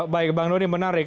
baik bang doni menarik